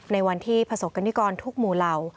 ในวันที่ประสบกรณิกรทุกหมู่เหล่า